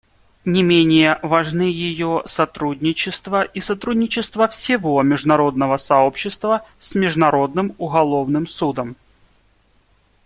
Не менее важны ее сотрудничество и сотрудничество всего международного сообщества с Международным уголовным судом.